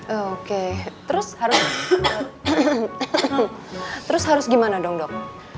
oke terus harus gimana dong dok